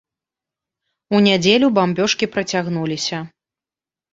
У нядзелю бамбёжкі працягнуліся.